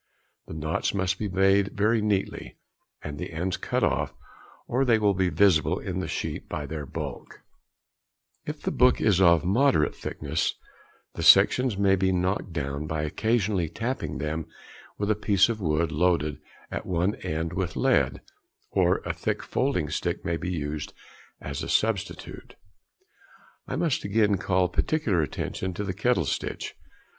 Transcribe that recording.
The knots must be made very neatly, and the ends cut off, or they will be visible in the sheet by their bulk. [Illustration: Flexible sewing.] If the book is of moderate thickness, the sections may be knocked down by occasionally tapping them with a piece |28| of wood loaded at one end with lead, or a thick folding stick may be used as a substitute. I must again call particular attention to the kettle stitch.